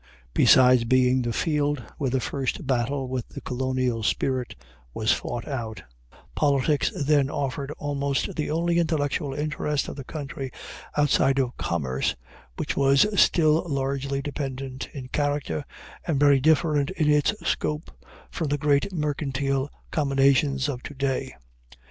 Besides being the field where the first battle with the colonial spirit was fought out, politics then offered almost the only intellectual interest of the country, outside of commerce, which was still largely dependent in character, and very different in its scope from the great mercantile combinations of to day.